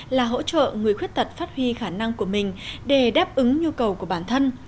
là hỗ trợ người khuyết tật phát huy khả năng của mình để đáp ứng nhu cầu của bản thân